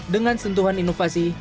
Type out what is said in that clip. dengan sentuhan inovasi